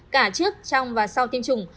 cả trước trong và sau tiêm chủng